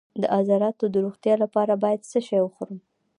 د عضلاتو د روغتیا لپاره باید څه شی وخورم؟